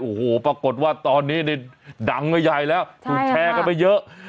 โอ้โหปรากฏว่าตอนนี้นี่ดังก็ใหญ่แล้วถูกแชร์กันไปเยอะ